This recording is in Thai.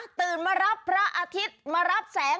สวัสดีค่ะรุ่นก่อนเวลาเหนียวกับดาวสุภาษฎรามมาแล้วค่ะ